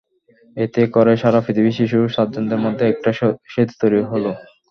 এতে করে সারা পৃথিবীর শিশু সার্জনদের মধ্যে একটা সেতু তৈরি হলো।